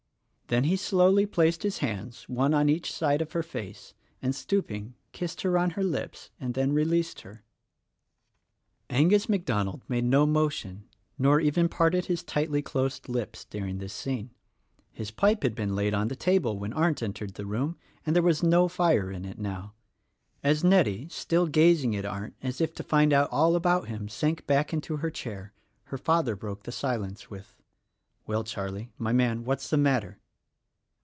Then he slowly placed his hands one on each side of her face and stooping kissed her on her lips, and then released her. Angus MacDonald made no motion, nor even parted his tightly closed lips, during this scene. His pipe had been laid on the table when Arndt entered the room, and there was no fire in it now. As Nettie — still gazing at Arndt as if to find out all about him — sank back into her chair her father broke the silence with, "Well, Charlie, my man, what is the matter?"